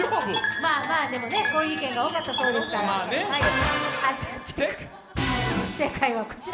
まあまあ、でもね、こういう意見が多かったようですから。